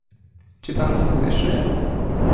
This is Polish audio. Czy pan słyszy…?